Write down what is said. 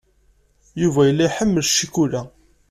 Yuba yella iḥemmel ccikula.